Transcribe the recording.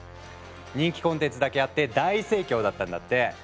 人気コンテンツだけあって大盛況だったんだって！